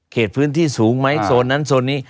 พื้นที่สูงไหมโซนนั้นโซนนี้